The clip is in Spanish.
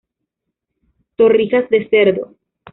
Torrijas de Cerdo.